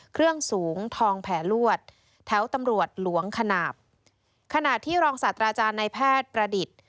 เครื่องสูงทองแผลลวดแถวตำรวจหลวงขนาบขณะที่รองศาสตราจารย์ในแพทย์ประดิษฐ์